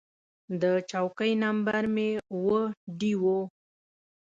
د چوکۍ نمبر مې اووه ډي و.